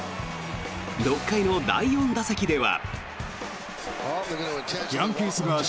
６回の第４打席では。